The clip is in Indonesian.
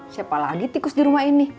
siapa lagi tikus dirumah ini